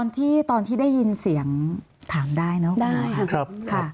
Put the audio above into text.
ตอนที่ได้ยินเสียงถามได้เนอะครับ